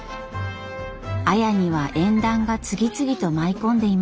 綾には縁談が次々と舞い込んでいましたが。